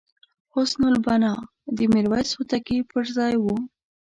حسن البناء د میرویس هوتکي پرځای وو.